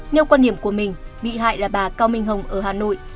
nêu quan điểm của mình bị hại là bà cao minh hồng ở hà nội